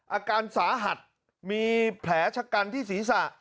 อาการสาหัสมีแผลชะกันที่ศีรษะ